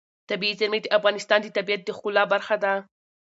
طبیعي زیرمې د افغانستان د طبیعت د ښکلا برخه ده.